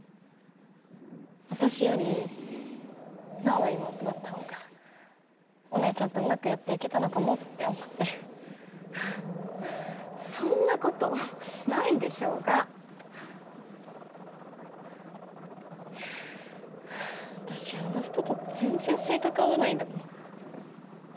私より奈央が妹だった方がお姉ちゃんとうまくやっていけたのかもって思ってそんなことないでしょーが私あの人と全然性格合わないんだもん